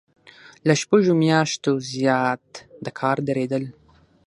له شپږو میاشتو زیات د کار دریدل.